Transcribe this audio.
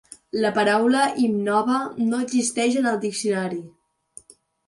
La paraula "innova" no existeix en el diccionari.